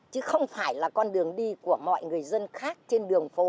chứ không phải là con đường đi của mọi người dân khác trên đường phố